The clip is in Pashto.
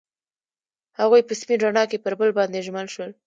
هغوی په سپین رڼا کې پر بل باندې ژمن شول.